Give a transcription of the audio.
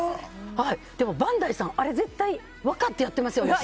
でもバンダイさんあれ絶対分かってやってますよね。